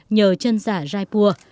nhờ chân giả raipur